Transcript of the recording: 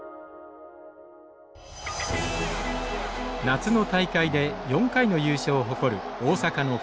夏の大会で４回の優勝を誇る大阪のＰＬ学園。